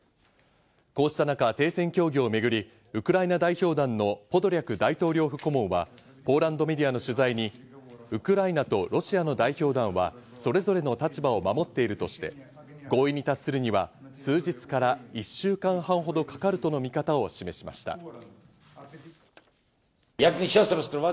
こうした中、停戦協議をめぐりウクライナ代表団のポドリャク大統領府顧問はポーランドメディアの取材に、ウクライナとロシアの代表団はそれぞれの立場を守っているとして、合意に達するには数日から１週間半ほどかかるとの見方を示しました。